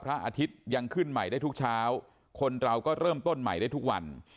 อาทิตย์ยังขึ้นใหม่ได้ทุกเช้าคนเราก็เริ่มต้นใหม่ได้ทุกวัน